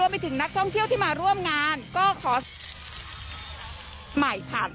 กันเลยค่ะก็โอเคนะคะก็ไม่กลัวนะ